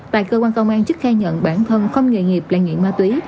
tại cơ quan công an chức khai nhận bản thân không nghề nghiệp là nghiện ma túy